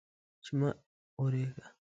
چې مه اوریږه